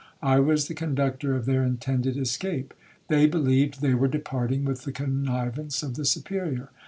I was the conductor of their (intended) escape; they believed they were departing with the connivance of the Superior.